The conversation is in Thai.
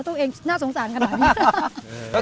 ตัวเองน่ะสงสารก่อน